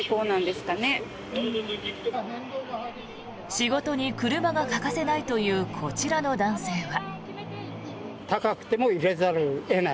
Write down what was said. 仕事に車が欠かせないというこちらの男性は。